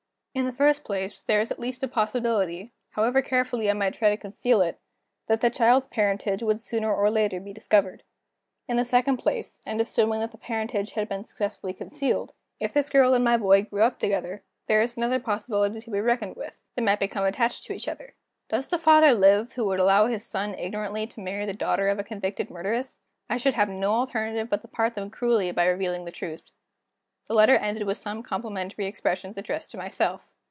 "In the first place, there is at least a possibility however carefully I might try to conceal it that the child's parentage would sooner or later be discovered. In the second place (and assuming that the parentage had been successfully concealed), if this girl and my boy grew up together, there is another possibility to be reckoned with: they might become attached to each other. Does the father live who would allow his son ignorantly to marry the daughter of a convicted murderess? I should have no alternative but to part them cruelly by revealing the truth." The letter ended with some complimentary expressions addressed to myself.